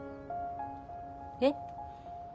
えっ？